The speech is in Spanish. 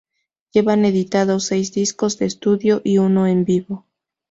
Llevan editados seis discos de estudio y uno en vivo.